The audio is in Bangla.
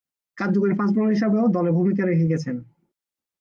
কার্যকরী ফাস্ট বোলার হিসেবেও দলে ভূমিকা রেখে গেছেন।